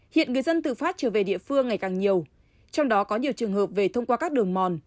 hiện người dân từ pháp trở về địa phương ngày càng nhiều trong đó có nhiều trường hợp về thông qua các đường mòn